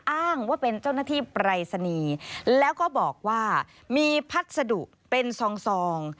อ้างว่าเป็นเจ้าหน้าที่ปรายศนีย์แล้วก็บอกว่ามีพัสดุเป็นซอง